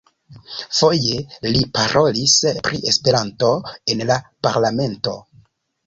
Foje li parolis pri Esperanto en la parlamento.